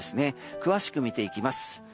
詳しく見ていきます。